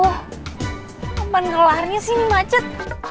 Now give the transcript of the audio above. kapan ngelarnya sih ini macet